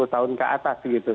empat puluh tahun ke atas gitu